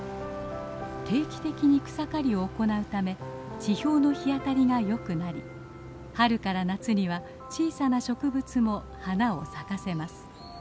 定期的に草刈りを行うため地表の日当たりが良くなり春から夏には小さな植物も花を咲かせます。